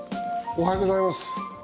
おはようございます。